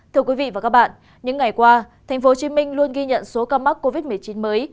thưa quý vị và các bạn những ngày qua tp hcm luôn ghi nhận số ca mắc covid một mươi chín mới